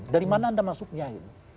dari mana anda masuknya gitu